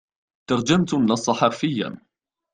ترجمت النص حرفياً.